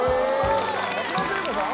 松田聖子さん？